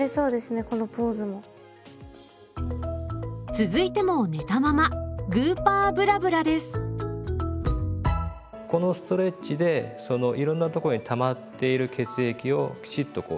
続いても寝たままこのストレッチでいろんなところにたまっている血液をきちっとこう